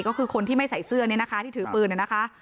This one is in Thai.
ก็คือคนที่ไม่ใส่เสื้อเนี่ยนะคะที่ถือปืนนะคะ